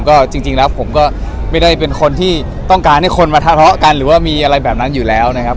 ก็จริงแล้วผมก็ไม่ได้เป็นคนที่ต้องการให้คนมาทะเลาะกันหรือว่ามีอะไรแบบนั้นอยู่แล้วนะครับ